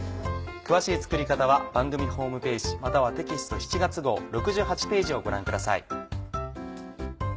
詳しい作り方は番組ホームページまたはテキスト７月号６８ページをご覧ください。